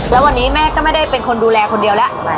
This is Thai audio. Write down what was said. แล้ววันนี้แม่ก็ไม่ได้เป็นคนดูแลคนเดียวแล้ว